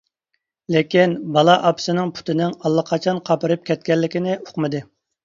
لېكىن، بالا ئاپىسىنىڭ پۇتىنىڭ ئاللىقاچان قاپىرىپ كەتكەنلىكىنى ئۇقمىدى.